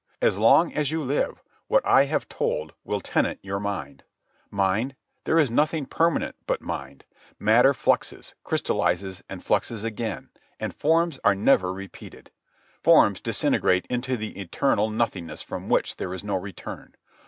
As long as you live what I have told will tenant your mind. Mind? There is nothing permanent but mind. Matter fluxes, crystallizes, and fluxes again, and forms are never repeated. Forms disintegrate into the eternal nothingness from which there is no return.